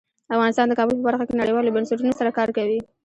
افغانستان د کابل په برخه کې نړیوالو بنسټونو سره کار کوي.